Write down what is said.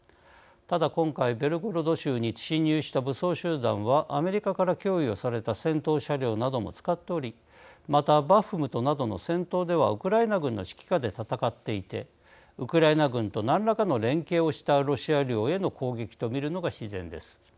ただ、今回ベルゴロド州に侵入した武装集団はアメリカから供与された戦闘車両なども使っておりまた、バフムトなどの戦闘ではウクライナ軍の指揮下で戦っていてウクライナ軍と何らかの連携したロシア領への攻撃と見るのが自然です。